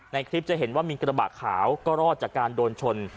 ในคลิปจะเห็นว่ามีกระบะขาวก็รอดจากการโดนชน